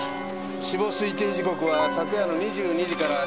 死亡推定時刻は昨夜の２２時から深夜０時の間。